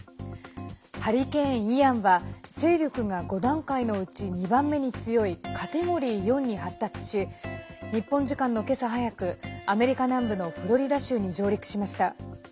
ハリケーン、イアンは勢力が５段階のうち２番目に強いカテゴリー４に発達し日本時間の今朝早くアメリカ南部のフロリダ州に上陸しました。